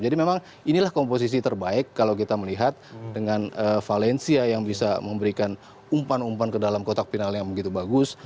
jadi memang inilah komposisi terbaik kalau kita melihat dengan valencia yang bisa memberikan umpan umpan ke dalam kotak final yang begitu bagus